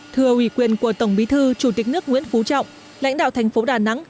thưa ủy quyền của tổng bí thư chủ tịch nước nguyễn phú trọng lãnh đạo thành phố đà nẵng